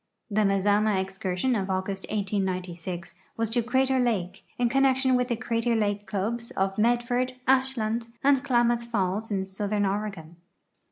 The Mazama excursion of August, 1896, was to Crater lake, in connec tion with the Crater Lake clubs of Medford, Ashland, and Klamath Falls in southern Oregon.